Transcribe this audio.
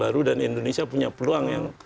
baru dan indonesia punya peluang yang